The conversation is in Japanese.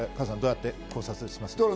どうやって考察します？